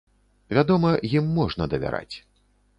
Вядома, ім можна давяраць.